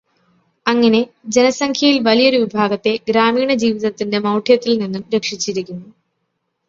അങ്ങിനെ ജനസംഖ്യയിൽ വലിയൊരു വിഭാഗത്തെ ഗ്രാമീണജീവിതത്തിന്റെ മൗഢ്യത്തിൽ നിന്നും രക്ഷിച്ചിരിക്കുന്നു.